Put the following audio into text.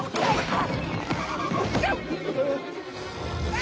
あ！